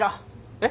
えっ？